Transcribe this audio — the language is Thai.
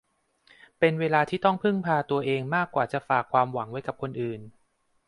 เป็นเวลาที่ต้องพึ่งพาตัวเองมากกว่าจะฝากความหวังไว้กับคนอื่น